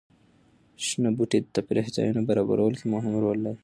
شنه بوټي د تفریح ځایونو برابرولو کې مهم رول لري.